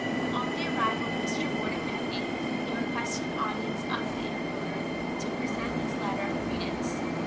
On the arrival of Mr. Ward at Peking he requested an audience of the Emperor to present his letter of credence.